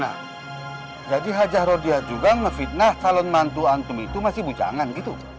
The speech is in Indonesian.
nah jadi hajah rodia juga ngefitnah calon mantu antum itu masih bujangan gitu